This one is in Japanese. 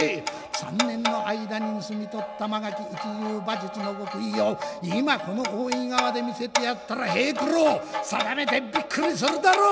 ３年の間に盗み取った曲垣一流馬術の極意を今この大井川で見せてやったら平九郎さだめてびっくりするだろう。